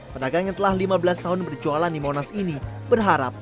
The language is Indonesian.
pedagang yang telah lima belas tahun berjualan di monas ini berharap